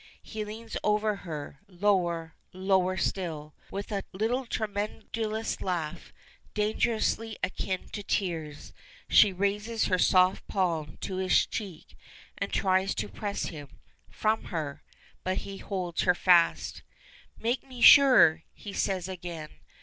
He leans over her, lower, lower still. With a little tremulous laugh, dangerously akin to tears, she raises her soft palm to his cheek and tries to press him from her. But he holds her fast. "Make me sure!" he says again.